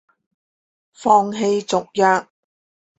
放棄續約